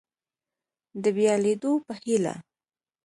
د بیا لیدو په هیله